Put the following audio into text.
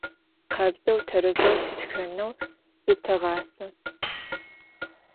Khabzeu, terezeu tıtxeneu zıteğase.